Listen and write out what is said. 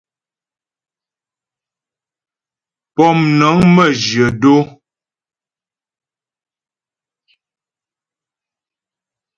Pómnəŋ məjyə̂ dó.